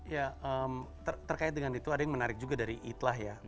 ya terkait dengan itu ada yang menarik juga dari itlah ya